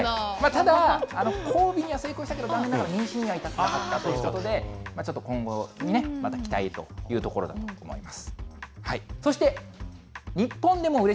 ただ交尾には成功したけど、残念ながら妊娠には至らなかったということで、ちょっと今後にね、また期待というところだと思います。